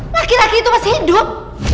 laki laki itu masih hidup